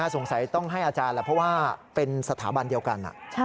สงสัยต้องให้อาจารย์แหละเพราะว่าเป็นสถาบันเดียวกัน